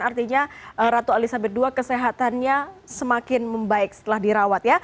artinya ratu elizabeth ii kesehatannya semakin membaik setelah dirawat ya